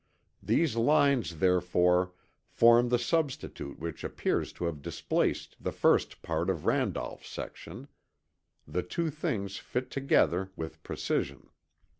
These lines therefore form the substitute which appears to have displaced the first part of Randolph's section. The two things fit together with precision.